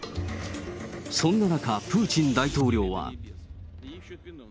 そんな中、プーチン大統領は。